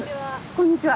こんにちは。